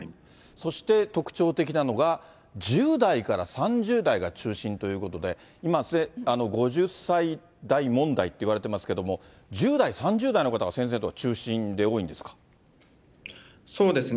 そして、特徴的なのが１０代から３０代が中心ということで、今、５０歳代問題といわれてますけれども、１０代、３０代の方、先生そうですね。